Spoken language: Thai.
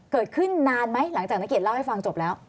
เกิดขึ้นนานไหมหลังจากนักเกียจเล่าให้ฟังจบแล้ว